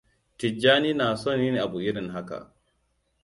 Tijjani na son yin abu irin haka.